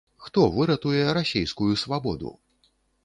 Хто выратуе расейскую свабоду?